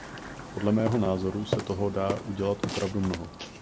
Podle mého názoru se toho dá udělat opravdu mnoho.